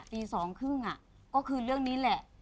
ตีสองครึ่งก็คือเรื่องนี้แหละ